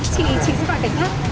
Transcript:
chị sẽ gọi cảnh sát